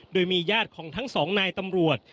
โดยมีญาติของทั้งสองนายตำรวจ